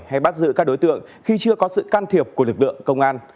hay bắt giữ các đối tượng khi chưa có sự can thiệp của lực lượng công an